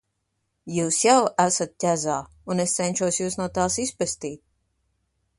Jūs jau esat ķezā, un es cenšos Jūs no tās izpestīt.